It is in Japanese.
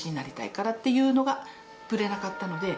っていうのがブレなかったので。